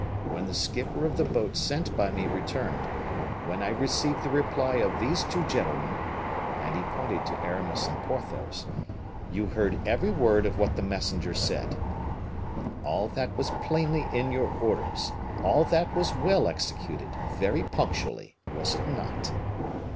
When the skipper of the boat sent by me returned, when I received the reply of these two gentlemen" (and he pointed to Aramis and Porthos), "you heard every word of what the messenger said. All that was plainly in your orders, all that was well executed, very punctually, was it not?"